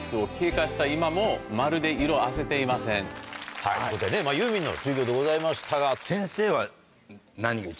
はいということでねユーミンの授業でございましたが。